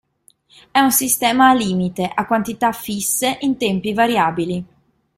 È un sistema "a limite", a quantità fisse in tempi variabili.